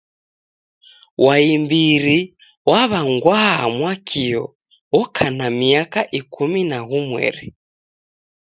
Wa imbiri waw'angwagha Mwakio oka na miaka ikumi na ghumweri.